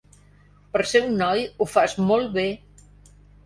Per ser un noi, ho fas molt bé.